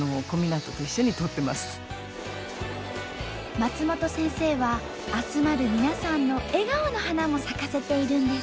松本先生は集まる皆さんの笑顔の花も咲かせているんです。